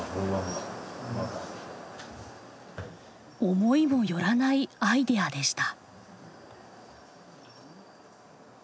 思いも寄らないアイデアでした。